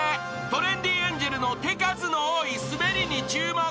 ［トレンディエンジェルの手数の多いスベリに注目］